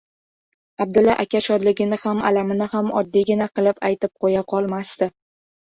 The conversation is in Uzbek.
Abdulla aka shodligini ham, alamini ham oddiygina qilib aytib qo‘yaqolmasdi.